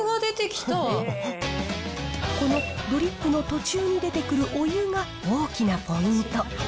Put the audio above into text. このドリップの途中に出てくるお湯が、大きなポイント。